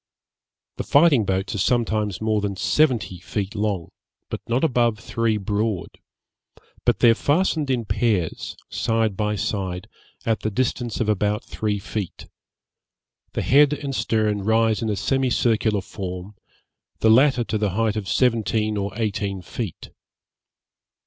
The fighting boats are sometimes more than seventy feet long, but not above three broad; but they are fastened in pairs, side by side, at the distance of about three feet; the head and stern rise in a semi circular form, the latter to the height of seventeen or eighteen feet.